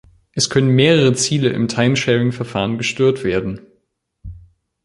Es können mehrere Ziele im Time-Sharing-Verfahren gestört werden.